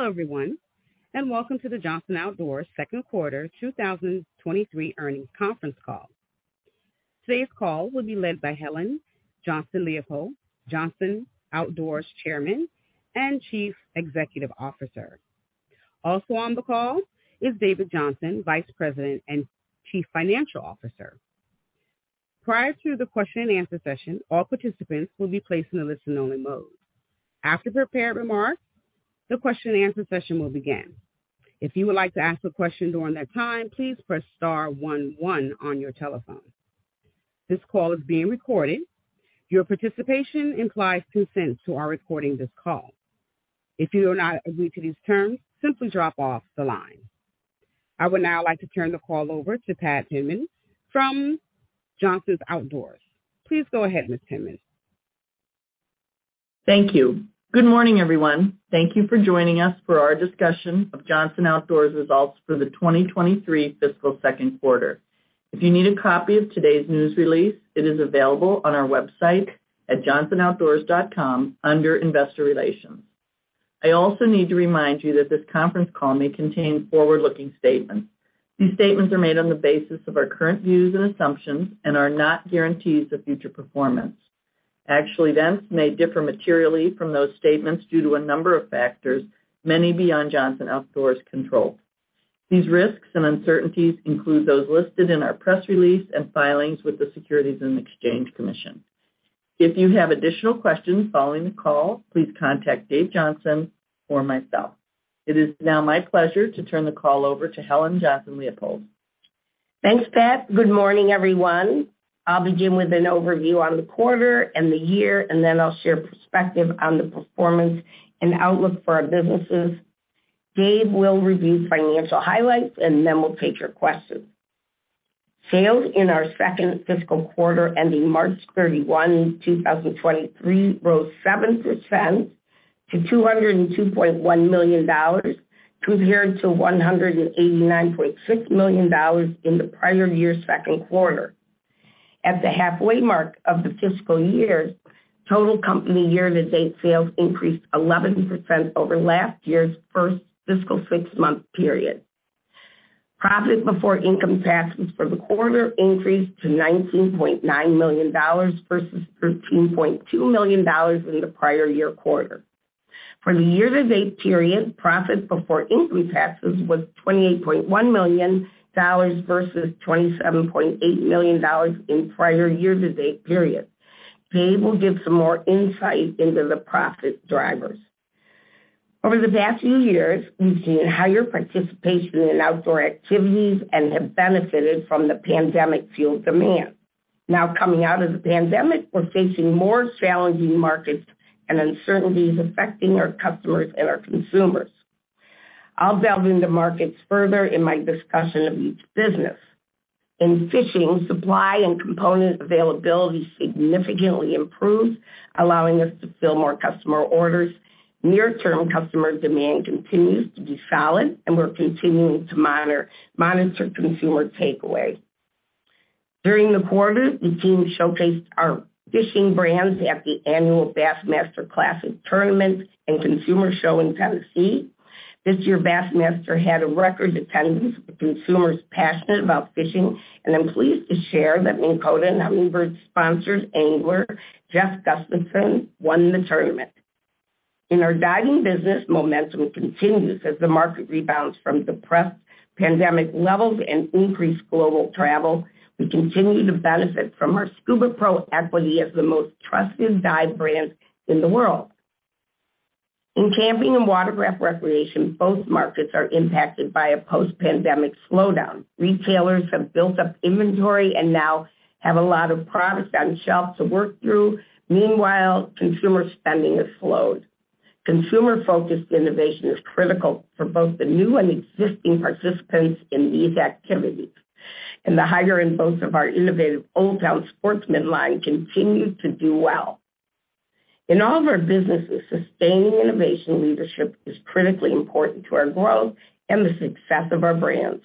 Hello, everyone, and welcome to the Johnson Outdoors second quarter 2023 earnings conference call. Today's call will be led by Helen Johnson-Leipold, Johnson Outdoors Chairman and Chief Executive Officer. Also on the call is David Johnson, Vice President and Chief Financial Officer. Prior to the question and answer session, all participants will be placed in a listen-only mode. After the prepared remarks, the question and answer session will begin. If you would like to ask a question during that time, please press star one one on your telephone. This call is being recorded. Your participation implies consent to our recording of this call. If you do not agree to these terms, simply drop off the line. I would now like to turn the call over to Pat Penman from Johnson Outdoors. Please go ahead, Ms. Penman. Thank you. Good morning, everyone. Thank you for joining us for our discussion of Johnson Outdoors results for the 2023 fiscal second quarter. If you need a copy of today's news release, it is available on our website at johnsonoutdoors.com under Investor Relations. I also need to remind you that this conference call may contain forward-looking statements. These statements are made on the basis of our current views and assumptions and are not guarantees of future performance. Actual events may differ materially from those statements due to a number of factors, many beyond Johnson Outdoors' control. These risks and uncertainties include those listed in our press release and filings with the Securities and Exchange Commission. If you have additional questions following the call, please contact Dave Johnson or myself. It is now my pleasure to turn the call over to Helen Johnson-Leipold. Thanks, Pat. Good morning, everyone. I'll begin with an overview on the quarter and the year, and then I'll share perspective on the performance and outlook for our businesses. Dave will review financial highlights, and then we'll take your questions. Sales in our second fiscal quarter ending March 31, 2023, rose 7% to $202.1 million, compared to $189.6 million in the prior year's second quarter. At the halfway mark of the fiscal year, total company year-to-date sales increased 11% over last year's first fiscal six-month period. Profit before income taxes for the quarter increased to $19.9 million versus $13.2 million in the prior year quarter. For the year-to-date period, profit before income taxes was $28.1 million versus $27.8 million in prior year-to-date period. Dave will give some more insight into the profit drivers. Over the past few years, we've seen higher participation in outdoor activities and have benefited from the pandemic-fueled demand. Coming out of the pandemic, we're facing more challenging markets and uncertainties affecting our customers and our consumers. I'll delve into markets further in my discussion of each business. In fishing, supply and component availability significantly improved, allowing us to fill more customer orders. Near-term customer demand continues to be solid, and we're continuing to monitor consumer takeaway. During the quarter, the team showcased our fishing brands at the annual Bassmaster Classic Tournament and Consumer Show in Tennessee. This year, Bassmaster had a record attendance with consumers passionate about fishing, and I'm pleased to share that Minn Kota and Humminbird sponsored angler Jeff Gustafson won the tournament. In our diving business, momentum continues as the market rebounds from depressed pandemic levels and increased global travel. We continue to benefit from our SCUBAPRO equity as the most trusted dive brand in the world. In camping and watercraft recreation, both markets are impacted by a post-pandemic slowdown. Retailers have built up inventory and now have a lot of products on shelf to work through. Meanwhile, consumer spending has slowed. Consumer-focused innovation is critical for both the new and existing participants in these activities. The Hering and Bose of our innovative Old Town Sportsman line continued to do well. In all of our businesses, sustaining innovation leadership is critically important to our growth and the success of our brands.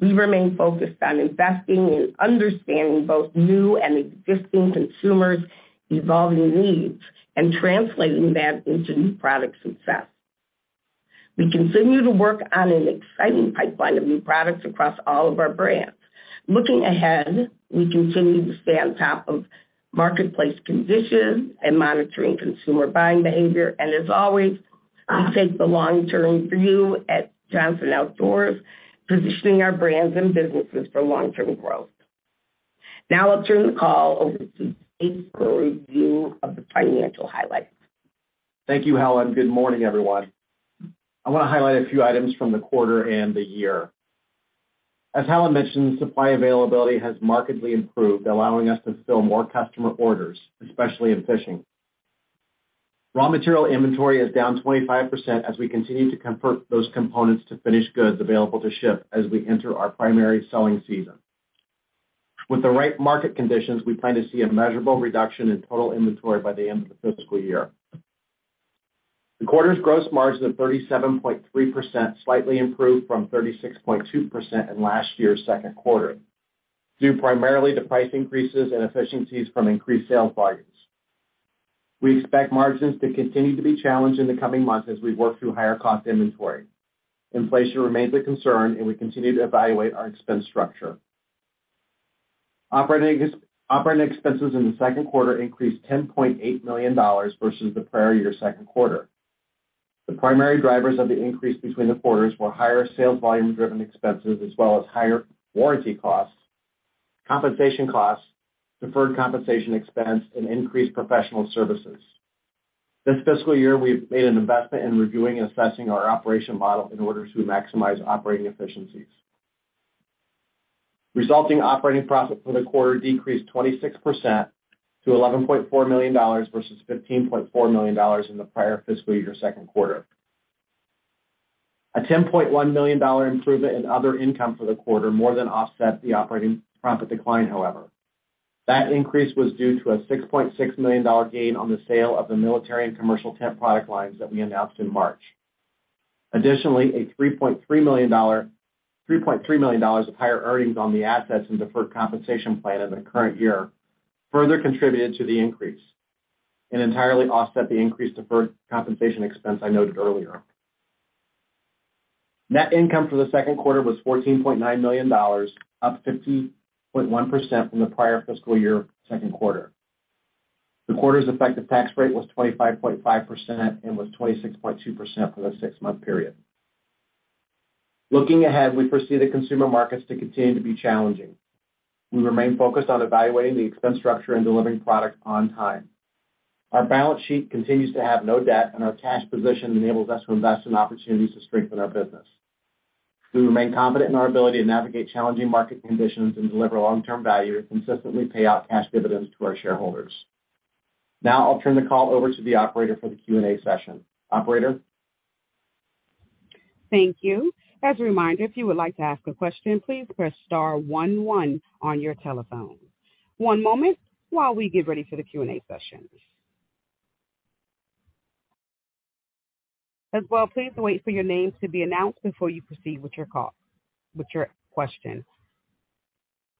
We remain focused on investing in understanding both new and existing consumers' evolving needs and translating that into new product success. We continue to work on an exciting pipeline of new products across all of our brands. Looking ahead, we continue to stay on top of marketplace conditions and monitoring consumer buying behavior. As always, we take the long-term view at Johnson Outdoors, positioning our brands and businesses for long-term growth. Now I'll turn the call over to Dave for a review of the financial highlights. Thank you, Helen. Good morning, everyone. I want to highlight a few items from the quarter and the year. As Helen mentioned, supply availability has markedly improved, allowing us to fill more customer orders, especially in fishing. Raw material inventory is down 25% as we continue to convert those components to finished goods available to ship as we enter our primary selling season. With the right market conditions, we plan to see a measurable reduction in total inventory by the end of the fiscal year. The quarter's gross margin of 37.3% slightly improved from 36.2% in last year's second quarter. Due primarily to price increases and efficiencies from increased sales volumes. We expect margins to continue to be challenged in the coming months as we work through higher cost inventory. Inflation remains a concern, and we continue to evaluate our expense structure. Operating expenses in the second quarter increased $10.8 million versus the prior year second quarter. The primary drivers of the increase between the quarters were higher sales volume-driven expenses as well as higher warranty costs, compensation costs, deferred compensation expense, and increased professional services. This fiscal year, we've made an investment in reviewing and assessing our operation model in order to maximize operating efficiencies. Resulting operating profit for the quarter decreased 26% to $11.4 million versus $15.4 million in the prior fiscal year second quarter. A $10.1 million improvement in other income for the quarter more than offset the operating profit decline, however. That increase was due to a $6.6 million gain on the sale of the military and commercial tent product lines that we announced in March. Additionally, $3.3 million of higher earnings on the assets and deferred compensation plan in the current year further contributed to the increase and entirely offset the increased deferred compensation expense I noted earlier. Net income for the second quarter was $14.9 million, up 15.1% from the prior fiscal year second quarter. The quarter's effective tax rate was 25.5% and was 26.2% for the six-month period. Looking ahead, we foresee the consumer markets to continue to be challenging. We remain focused on evaluating the expense structure and delivering product on time. Our balance sheet continues to have no debt, and our cash position enables us to invest in opportunities to strengthen our business. We remain confident in our ability to navigate challenging market conditions and deliver long-term value to consistently pay out cash dividends to our shareholders. Now I'll turn the call over to the operator for the Q&A session. Operator? Thank you. As a reminder, if you would like to ask a question, please press star 11 on your telephone. One moment while we get ready for the Q&A session. Please wait for your name to be announced before you proceed with your question.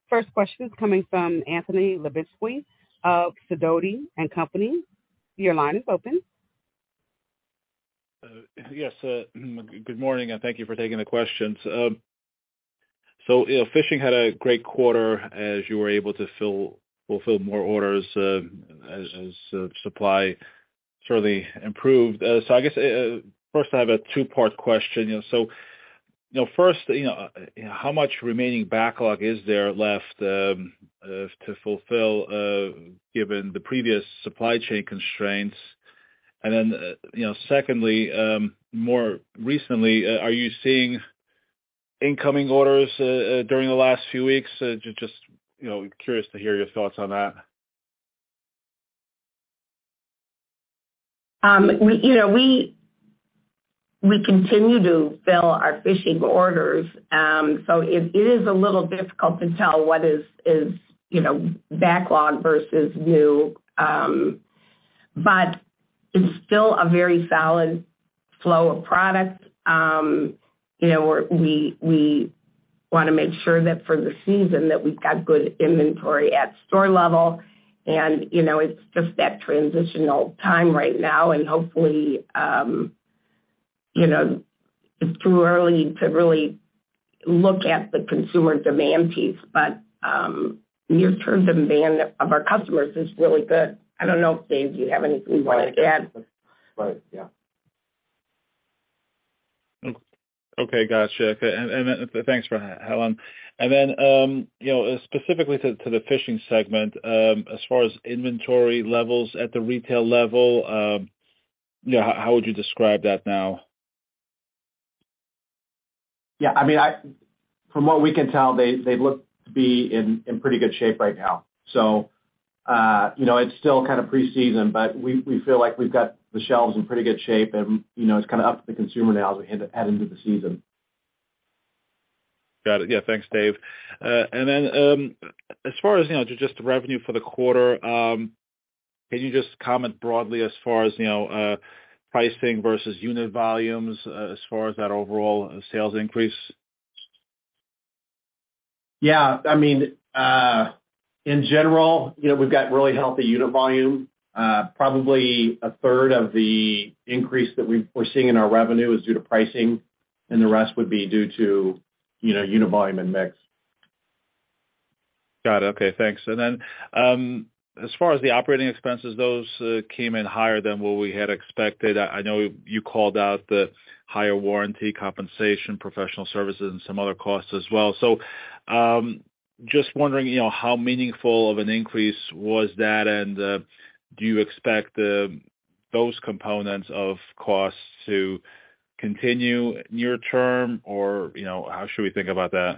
First question is coming from Anthony Lebiedzinski of Sidoti & Company, LLC. Your line is open. Yes, good morning, and thank you for taking the questions. You know, fishing had a great quarter as you were able to fulfill more orders as supply surely improved. I guess, first I have a 2-part question. You know, first, you know, how much remaining backlog is there left to fulfill given the previous supply chain constraints? You know, secondly, more recently, are you seeing incoming orders during the last few weeks? Just, you know, curious to hear your thoughts on that. We, you know, we continue to fill our fishing orders. It is a little difficult to tell what is, you know, backlog versus new, but it's still a very solid flow of product. You know, we wanna make sure that for the season that we've got good inventory at store level. You know, it's just that transitional time right now and hopefully, you know, it's too early to really look at the consumer demand piece. Year-to-date demand of our customers is really good. I don't know if, Dave, you have anything you wanted to add? Right. Yeah. Okay. Gotcha. Thanks for that, Helen. You know, specifically to the fishing segment, as far as inventory levels at the retail level, you know, how would you describe that now? Yeah, I mean, from what we can tell, they look to be in pretty good shape right now. You know, it's still kind of pre-season, but we feel like we've got the shelves in pretty good shape and, you know, it's kind of up to the consumer now as we head into the season. Got it. Yeah. Thanks, Dave. As far as, you know, just the revenue for the quarter, can you just comment broadly as far as, you know, pricing versus unit volumes, as far as that overall sales increase? Yeah. I mean, in general, you know, we've got really healthy unit volume. Probably a third of the increase that we're seeing in our revenue is due to pricing. The rest would be due to, you know, unit volume and mix. Got it. Okay, thanks. As far as the operating expenses, those came in higher than what we had expected. I know you called out the higher warranty compensation, professional services, and some other costs as well. Just wondering, you know, how meaningful of an increase was that? Do you expect those components of costs to continue near term or, you know, how should we think about that?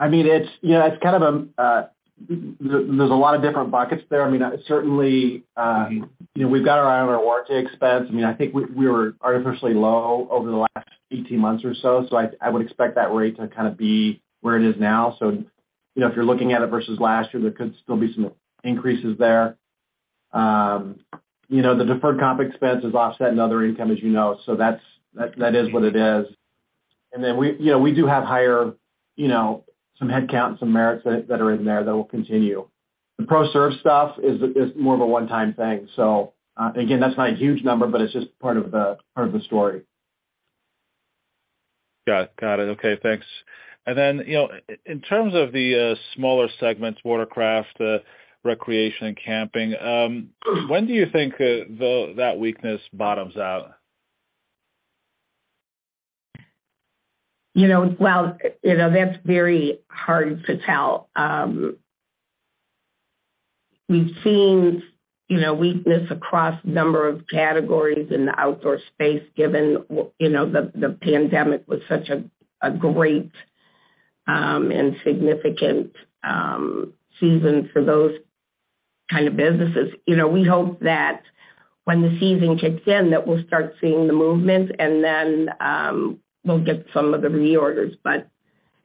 I mean, it's, you know, it's kind of, there's a lot of different buckets there. I mean, certainly, you know, we've got our eye on our warranty expense. I mean, I think we were artificially low over the last 18 months or so, I would expect that rate to kind of be where it is now. You know, if you're looking at it versus last year, there could still be some increases there. You know, the deferred comp expense is offset in other income, as you know. That's, that is what it is. Then we, you know, we do have higher, you know, some headcount, some merits that are in there that will continue. The ProServ stuff is more of a one-time thing. Again, that's not a huge number, but it's just part of the, part of the story. Got it. Okay, thanks. You know, in terms of the smaller segments, watercraft, recreation, and camping, when do you think that weakness bottoms out? You know, well, you know, that's very hard to tell. We've seen, you know, weakness across a number of categories in the outdoor space given, you know, the pandemic was such a great and significant season for those kind of businesses. You know, we hope that when the season kicks in, that we'll start seeing the movement and then, we'll get some of the reorders, but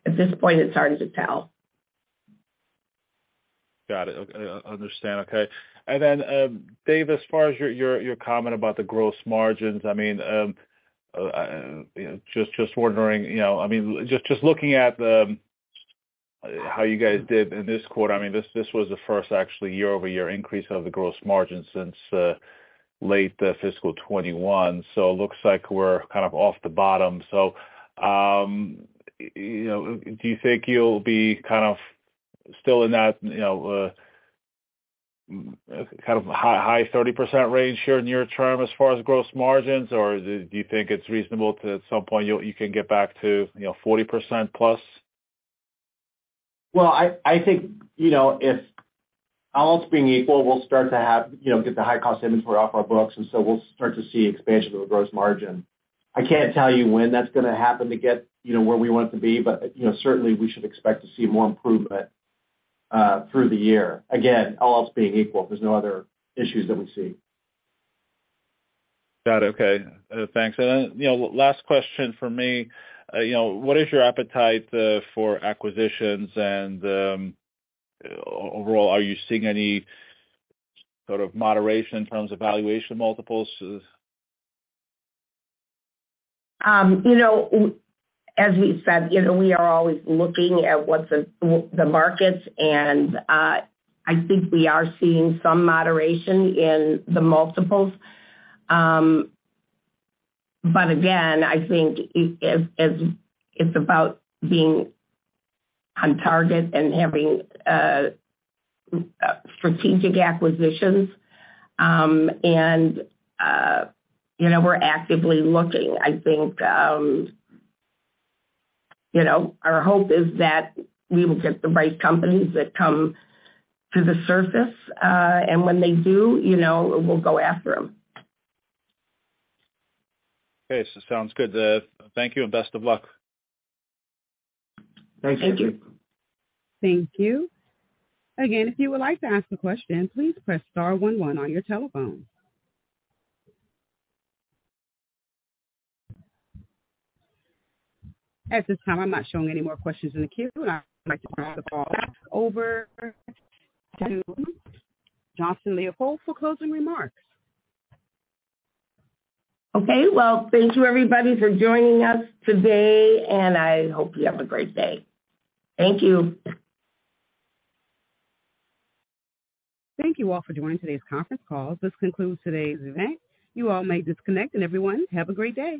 at this point, it's hard to tell. Got it. Okay, understand. Okay. Then, Dave, as far as your comment about the gross margins, I mean, just wondering, you know, I mean, just looking at how you guys did in this quarter, I mean, this was the first actually year-over-year increase of the gross margin since late fiscal 21. It looks like we're kind of off the bottom. You know, do you think you'll be kind of still in that, you know, kind of high 30% range here near term as far as gross margins? Or do you think it's reasonable to at some point you can get back to, you know, 40% plus? Well, I think, you know, if all else being equal, we'll start to have, you know, get the high cost inventory off our books, and so we'll start to see expansion of the gross margin. I can't tell you when that's gonna happen to get, you know, where we want it to be, but, you know, certainly we should expect to see more improvement through the year. Again, all else being equal. There's no other issues that we see. Got it. Okay. Thanks. Then, you know, last question for me. You know, what is your appetite for acquisitions? Overall, are you seeing any sort of moderation in terms of valuation multiples? You know, as we said, you know, we are always looking at what's the markets and I think we are seeing some moderation in the multiples. Again, I think it's about being on target and having strategic acquisitions. You know, we're actively looking. I think, you know, our hope is that we will get the right companies that come to the surface, and when they do, you know, we'll go after them. Okay. Sounds good. Thank you and best of luck. Thank you. Thank you. Thank you. Again, if you would like to ask a question, please press star 1 1 on your telephone. At this time, I'm not showing any more questions in the queue. I'd like to turn the call back over to Helen Johnson-Leipold for closing remarks. Okay. Well, thank you everybody for joining us today, and I hope you have a great day. Thank you. Thank you all for joining today's conference call. This concludes today's event. You all may disconnect, and everyone, have a great day.